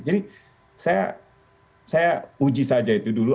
jadi saya uji saja itu dulu